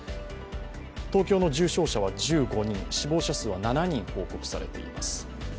東京の重症者は１５人、死亡者数は７人報告されています。